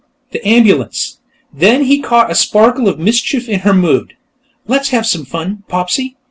"The ambulance." Then he caught a sparkle of mischief in her mood. "Let's have some fun, Popsy!